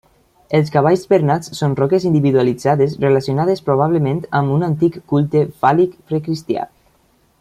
Els cavalls bernats són roques individualitzades relacionades probablement amb un antic culte fàl·lic precristià.